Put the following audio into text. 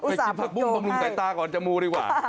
ไปกินพักปุ้งบำรุงใส่ตาก่อนจมูลดีกว่า